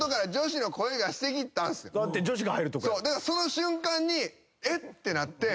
その瞬間に「えっ！？」ってなって。